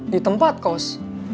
di tempat kos